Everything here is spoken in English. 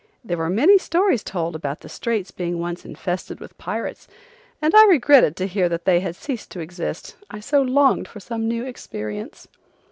There were many stories told about the straits being once infested with pirates, and I regretted to hear that they had ceased to exist, I so longed for some new experience.